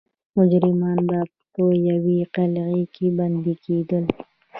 مجرمان به په یوې قلعې کې بندي کېدل.